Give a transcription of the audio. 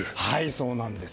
そうなんです。